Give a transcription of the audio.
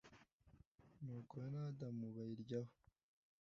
nuko we na adamu bayiryaho.